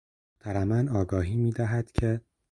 محترماً آگاهی میدهد که...